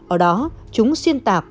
ở đó chúng xuyên tạp